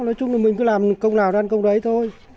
nói chung là mình cứ làm công nào đàn công đấy thôi